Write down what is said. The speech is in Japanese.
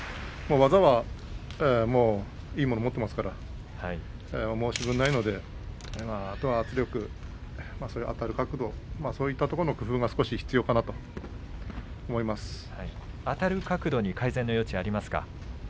技はいいものを持ってますからね申し分ないのであとは圧力、あたる角度そういったところのあたる角度に改善の余地がありますか？